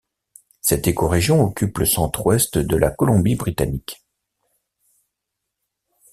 Cette écorégion occupe le centre-ouest de la Colombie-Britannique.